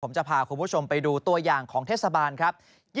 ผมจะพาคุณผู้ชมไปดูตัวอย่างของเทศบาลครับ